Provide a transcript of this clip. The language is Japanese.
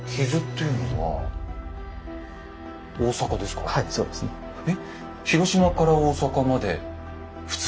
はいそうですね。え？